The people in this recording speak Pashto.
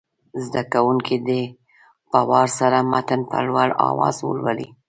زده کوونکي دې په وار سره متن په لوړ اواز ولولي.